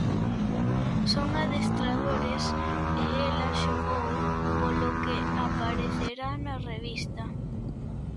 Son adestradores e ela xogou polo que aparecerá na revista.